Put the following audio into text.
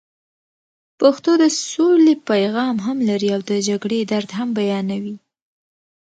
پښتو د سولې پیغام هم لري او د جګړې درد هم بیانوي.